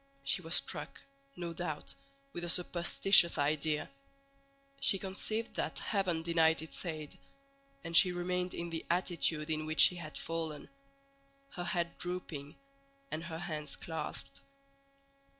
She was struck, no doubt, with a superstitious idea; she conceived that heaven denied its aid, and she remained in the attitude in which she had fallen, her head drooping and her hands clasped.